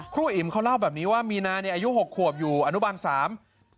อิ๋มเขาเล่าแบบนี้ว่ามีนาเนี่ยอายุหกขวบอยู่อนุบาลสาม